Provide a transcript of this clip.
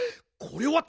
これ。